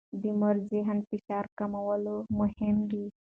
د مور ذهني فشار کمول مهم دي.